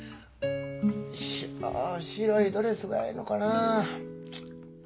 白いドレスがええのかな。